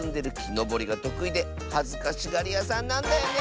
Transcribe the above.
のぼりがとくいではずかしがりやさんなんだよね！